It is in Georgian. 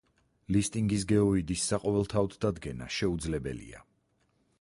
ლისტინგის გეოიდის საყოველთაოდ დადგენა შეუძლებელია.